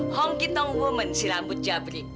hongki tong women si rambut jabrik